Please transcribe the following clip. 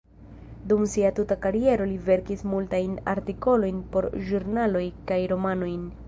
Dum sia tuta kariero li verkis multajn artikolojn por ĵurnaloj kaj romanojn.